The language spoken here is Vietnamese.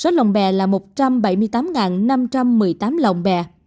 số lòng bè là một trăm bảy mươi tám năm trăm một mươi tám lòng bè